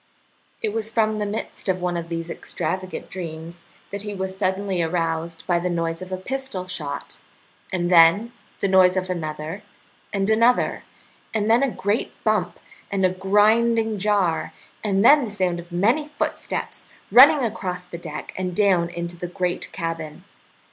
It was from the midst of one of these extravagant dreams that he was suddenly aroused by the noise of a pistol shot, and then the noise of another and another, and then a great bump and a grinding jar, and then the sound of many footsteps running across the deck and down into the great cabin.